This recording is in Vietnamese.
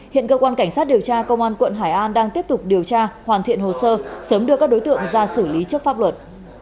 hiện cơ quan cảnh sát điều tra công an quận hải an đang tiếp tục điều tra hoàn thiện hồ sơ sớm đưa các đối tượng ra xử lý trước pháp luật